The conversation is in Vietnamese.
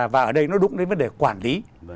và ở đây nó đúng đến vấn đề quản lý